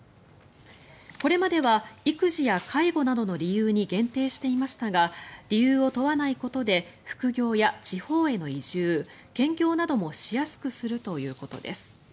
これまでは育児や介護などの理由に限定していましたが理由を問わないことで副業や地方への移住兼業などもしやすくするということです。